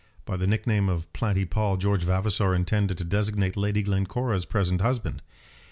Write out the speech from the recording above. By the nickname of Planty Pall George Vavasor intended to designate Lady Glencora's present husband.